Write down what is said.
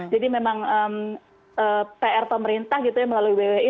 jadi memang pr pemerintah gitu ya melalui bwi